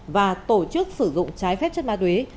và tổ chức sử dụng trái phép chất ma túy